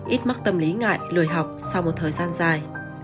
ít mắc tâm lý ngại lười học sau một thời gian dài